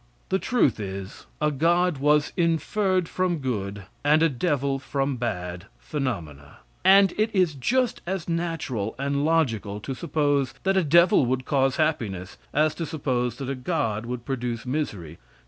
The truth is, a god was inferred from good, and a devil from bad, phenomena. And it is just as natural and logical to suppose that a devil would cause happiness as to suppose that a god would produce misery.